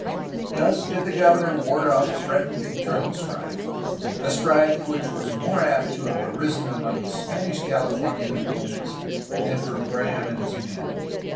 Thus did the governor ward off threatened internal strife, — a strife which was more apt to have arisen among his Spanish Californian opponents than from Graham and his men.